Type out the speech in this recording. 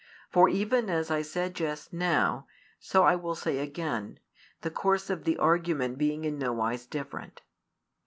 For even as I said just now, so I will say again, the course of the argument being in no wise different.